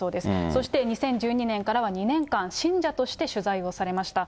そして２０１２年からは２年間、信者として取材をされました。